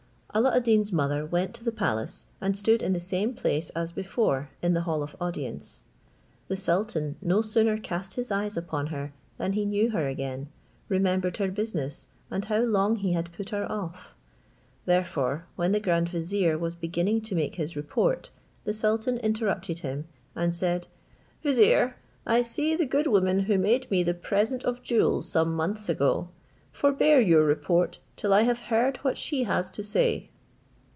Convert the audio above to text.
Alla ad Deen's mother went to the palace, and stood in the same place as before in the hall of audience. The sultan no sooner cast his eyes upon her than he knew her again, remembered her business, and how long he had put her off: therefore when the grand vizier was beginning to make his report, the sultan interrupted him, and said, "Vizier, I see the good woman who made me the present of jewels some months ago; forbear your report, till I have heard what she has to say."